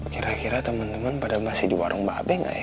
kira kira temen temen pada masih di warung mbak abe enggak ya